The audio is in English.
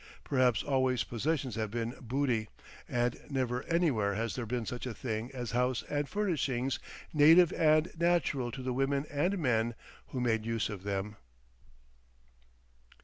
Perhaps always possessions have been Booty, and never anywhere has there been such a thing as house and furnishings native and natural to the women and men who made use of them....